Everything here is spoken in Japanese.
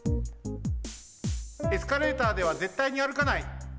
エスカレーターではぜったいに歩かない。